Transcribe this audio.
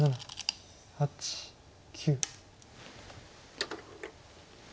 ８９。